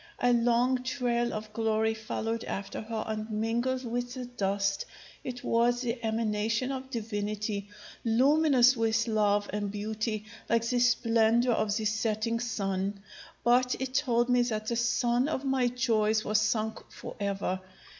A long trail of glory followed after her and mingled with the dust it was the emanation of Divinity, luminous with love and beauty, like the splendor of the setting sun; but it told me that the sun of my joys was sunk forever.